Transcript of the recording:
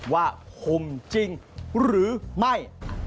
คมจริงหรือไม่